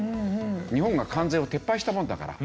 日本が関税を撤廃したもんだから。